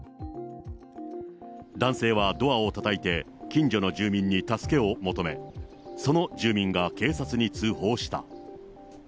男性はドアをたたいて近所の住民に助けを求め、その住民が警察に通報した。